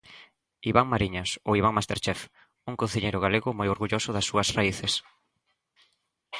Iván Mariñas ou Iván Masterchef, un cociñeiro galego moi orgulloso das súas raíces.